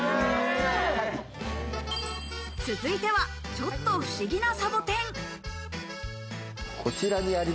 続いては、ちょっと不思議なサボテン。